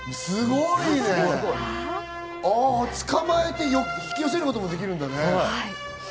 捕まえて引き寄せることもできるんだね。